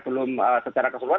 belum secara keseluruhan